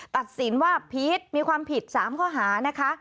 ตัดสินว่าผิด๓ข้อหา